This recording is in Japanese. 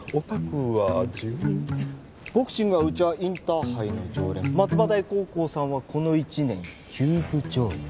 ボクシングはうちはインターハイの常連松葉台高校さんはこの１年休部状態。